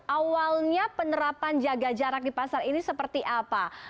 awalnya penerapan jaga jarak di pasar ini seperti apa